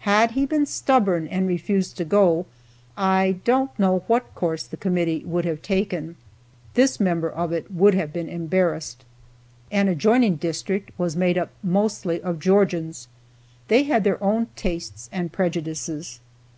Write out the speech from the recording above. Had he been stubborn and refused to go, I don't know what course the committee would have taken. This member of it would have been embarrassed. An adjoining district was made up mostly of Georgians. They had their own tastes and prejudices.